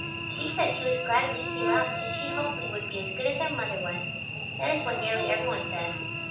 She said she was glad we came up and she hoped we would be as good as our mother was. That is what nearly every one says.